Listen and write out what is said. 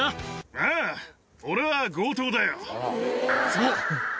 ああ、俺は強盗だよ。